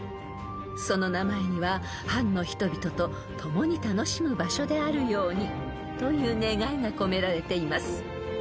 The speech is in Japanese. ［その名前には藩の人々と偕に楽しむ場所であるようにという願いが込められています］